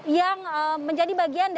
yang menjadi bagian